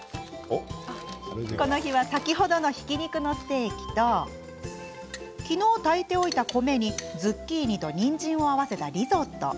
この日は、先ほどのひき肉のステーキと昨日、炊いておいた米にズッキーニと、にんじんを合わせたリゾット。